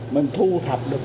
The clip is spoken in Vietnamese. mình thu thập được